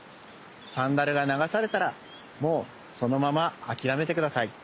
サンダルが流されたらもうそのままあきらめてください。